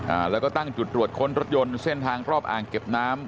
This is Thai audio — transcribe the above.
อ่าแล้วก็ตั้งจุดตรวจค้นรถยนต์เส้นทางรอบอ่างเก็บน้ำ